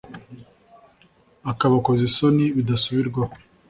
Akabakoza isoni bidasubirwaho !